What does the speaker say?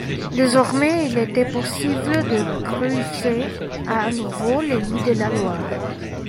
Désormais il était possible de creuser à nouveau le lit de la Loire.